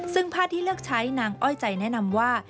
ซึ่งผ้าที่เลือกใช้นางอ้อยใจแนะนำว่า